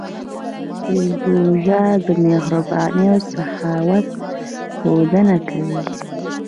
روژه د مهربانۍ او سخاوت ښودنه کوي.